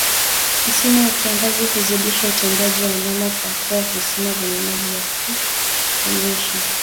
Msimu wa kiangazi huzidisha utembeaji wa wanyama kwa kuwa visima vyenye maji ya kuwanywesha